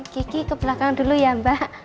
kiki ke belakang dulu ya mbak